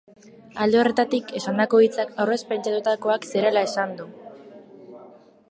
Alde horretatik, esandako hitzak aurrez pentsatutakoak zirela esan du.